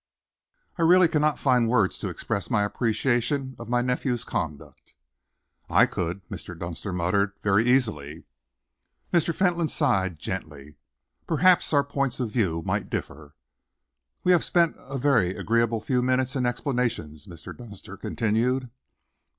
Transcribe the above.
I really cannot find words to express my appreciation of my nephew's conduct." "I could," Mr. Dunster muttered, "very easily!" Mr. Fentolin sighed gently. "Perhaps our points of view might differ." "We have spent a very agreeable few minutes in explanations," Mr. Dunster continued.